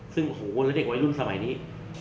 ซึ่งเฮ้้วแล้วเด็กไว้รุ่นสมัยนี้